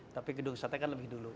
tapi gedung sate kan lebih dulu